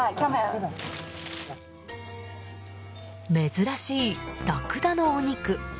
珍しいラクダのお肉。